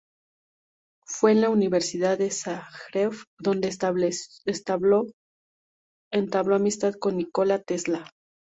Fue en la Universidad de Zagreb donde entabló amistad con Nikola Tesla.